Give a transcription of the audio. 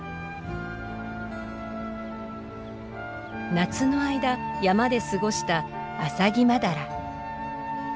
夏の間山で過ごしたアサギマダラ。